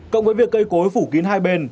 cộng với việc cây cối phủ kín hai bên